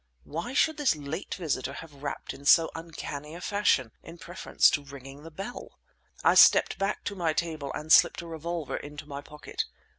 Why should this late visitor have rapped in so uncanny a fashion in preference to ringing the bell? I stepped back to my table and slipped a revolver into my pocket.